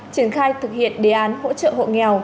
triển khai thực hiện đề án hỗ trợ hộ nghèo